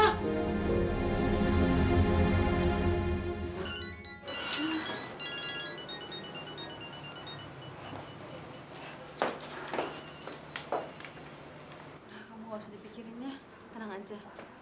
kamu gak usah dipikirin ya tenang aja